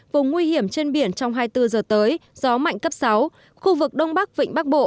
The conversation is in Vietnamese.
vùng nguy hiểm trên biển trong hai mươi bốn giờ tới gió mạnh cấp sáu khu vực đông bắc vịnh bắc bộ